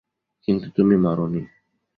কিন্তু তুমি মরোনি।